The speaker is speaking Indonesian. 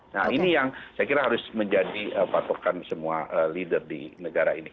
nah ini yang saya kira harus menjadi patokan semua leader di negara ini